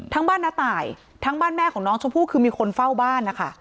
บ้านน้าตายทั้งบ้านแม่ของน้องชมพู่คือมีคนเฝ้าบ้านนะคะ